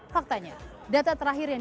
faktanya data terakhir yang